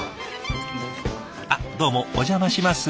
あっどうもお邪魔します